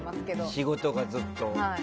仕事がずっと。